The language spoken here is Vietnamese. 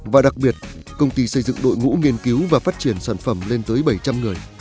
và đặc biệt công ty xây dựng đội ngũ nghiên cứu và phát triển sản phẩm lên tới bảy trăm linh người